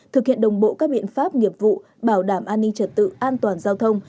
thực hiện đồng bộ các biện pháp nghiệp vụ bảo đảm an ninh trật tự an toàn giao thông